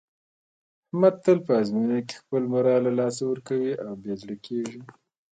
احمد تل په ازموینه کې خپل مورال له لاسه ورکوي او بې زړه کېږي.